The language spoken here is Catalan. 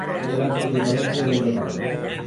Hi ha diverses diferències en detalls.